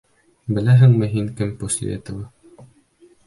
Беләһеңме һин кем после этого?